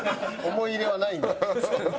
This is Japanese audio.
思い入れはないんだ。